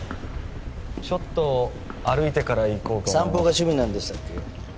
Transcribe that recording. ちょっと歩いてから行こうと散歩が趣味なんでしたっけ？